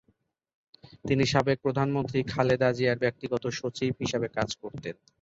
তিনি সাবেক প্রধানমন্ত্রী খালেদা জিয়ার ব্যক্তিগত সচিব হিসেবে কাজ করতেন।